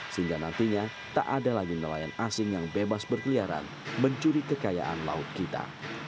sehingga nantinya tak ada lagi nelayan asing yang bebas berkeliaran mencuri kekayaan laut kita